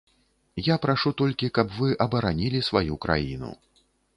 Я прашу толькі, каб вы абаранілі сваю краіну.